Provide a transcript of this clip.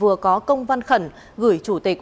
vừa có công văn khẩn gửi chủ tịch